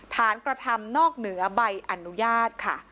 ฐานกระทำนอกเหนือใบอนุญาต